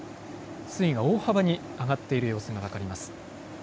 水位が大幅に上がっている様子が分かります。